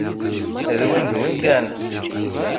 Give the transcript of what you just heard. D win d win kan.